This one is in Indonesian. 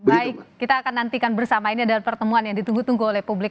baik kita akan nantikan bersama ini adalah pertemuan yang ditunggu tunggu oleh publik